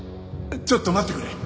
ちょっと待ってくれ。